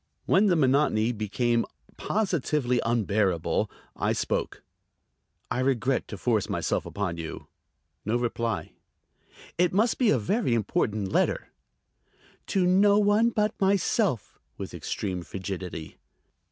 When the monotony became positively unbearable I spoke. "I regret to force myself upon you." No reply. "It must be a very important letter." "To no one but myself," with extreme frigidity.